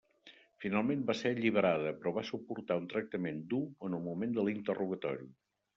Finalment va ser alliberada, però va suportar un tractament dur en el moment de l'interrogatori.